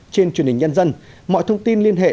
trên truyền hình nhân dân mọi thông tin liên hệ